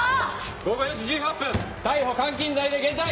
午後４時１８分逮捕監禁罪で現逮！